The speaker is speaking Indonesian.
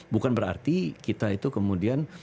bukan berarti kita itu kemudian